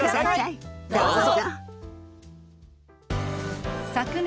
どうぞ！